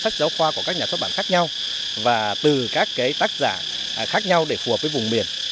sách giáo khoa của các nhà xuất bản khác nhau và từ các tác giả khác nhau để phù hợp với vùng miền